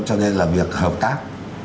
cho nên là việc hợp tác